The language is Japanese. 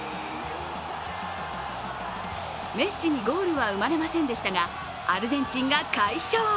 メッシにゴールは生まれませんでしたがアルゼンチンが快勝。